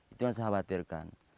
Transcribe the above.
itu yang saya khawatirkan